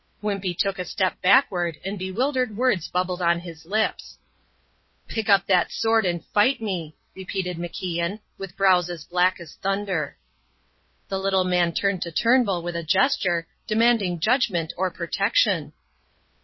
Wimpey took a step backward, and bewildered words bubbled on his lips. "Pick up that sword and fight me," repeated MacIan, with brows as black as thunder. The little man turned to Turnbull with a gesture, demanding judgement or protection.